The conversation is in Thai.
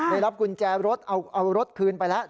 ได้รับกุญแจรถเอารถคืนไปแล้ว